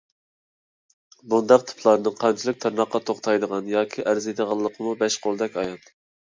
بۇنداق تىپلارنىڭ قانچىلىك تىرناققا توختايدىغان ياكى ئەرزىيدىغانلىقىمۇ بەش قولدەك ئايان.